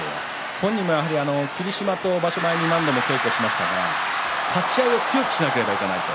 本人は霧島と場所前に何度も稽古しましたが立ち合いを強くしなければいけないと。